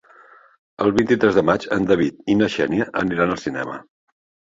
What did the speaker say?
El vint-i-tres de maig en David i na Xènia aniran al cinema.